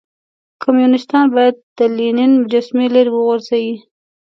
کمونيستان بايد د لينن مجسمه ليرې وغورځوئ.